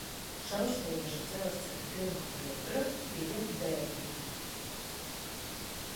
Šaursliežu dzelzceļa pirmā pietura bija Berģi.